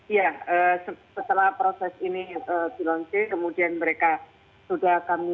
iya setelah proses ini di launching kemudian mereka sudah kami